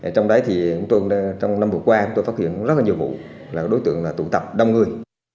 trong đó trong năm vừa qua tôi phát hiện rất nhiều vụ là đối tượng tụ tập đông người